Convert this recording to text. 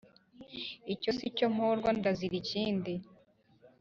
Icyo si cyo mporwa ndazira ikindi